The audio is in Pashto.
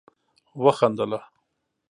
وخندله